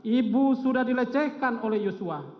ibu sudah dilecehkan oleh yosua